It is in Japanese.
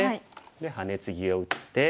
でハネツギを打って。